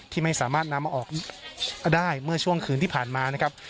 ที่ไม่สามารถนำมาออกได้เมื่อช่วงคืนที่ผ่านมานะครับ